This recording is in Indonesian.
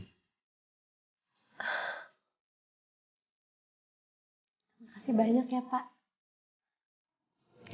makasih banyak ya pak